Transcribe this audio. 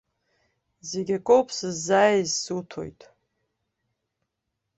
Зегь акоуп сыззааиз суҭоит.